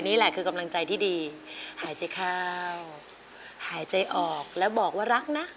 นี่แหละคือกำลังใจที่ดีหายใจข้าวหายใจออกแล้วบอกว่ารักนะ